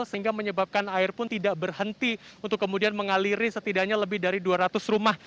sehingga menyebabkan air pun tidak berhenti untuk kemudian mengaliri setidaknya lebih dari dua ratus rumah